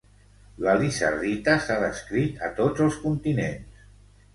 La lizardita s'ha descrit a tots els continents.